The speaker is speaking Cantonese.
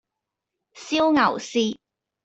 燒牛舌